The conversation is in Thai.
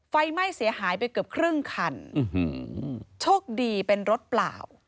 ไฟไหม้เสียหายไปเกือบครึ่งคันโชคดีเป็นรถเปล่า